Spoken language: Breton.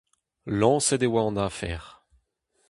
Lañset e oa an afer.